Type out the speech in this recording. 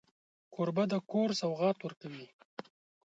کوربه د کور سوغات ورکوي.